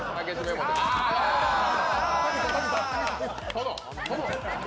殿！